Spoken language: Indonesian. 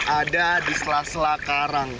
ada di sela sela karang